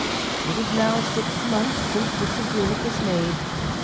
It is now six months since this agreement was made.